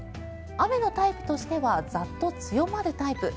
雨のタイプとしてはザッと強まるタイプ。